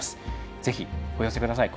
ぜひお寄せください。